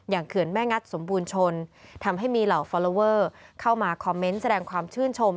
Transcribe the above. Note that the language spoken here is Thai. เขื่อนแม่งัดสมบูรณ์ชนทำให้มีเหล่าฟอลลอเวอร์เข้ามาคอมเมนต์แสดงความชื่นชม